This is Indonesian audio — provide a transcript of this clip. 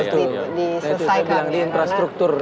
itu yang di infrastruktur itu kan